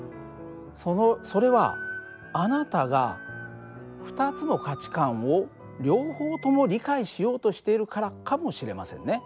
それはあなたが２つの価値観を両方とも理解しようとしているからかもしれませんね。